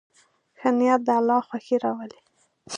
ښه نیت د الله خوښي راولي.